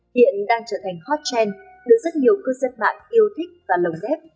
hiện đang trở thành hot trend được rất nhiều cư dân mạng yêu thích và lồng ghép